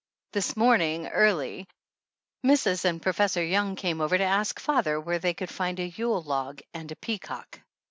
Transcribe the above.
This morning early Mrs. and Professor Young came over to ask father where they could find a Yule log and a peacock.